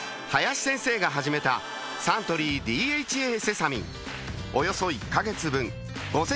林先生が始めたサントリー「ＤＨＡセサミン」およそ１カ月分